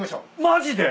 マジで？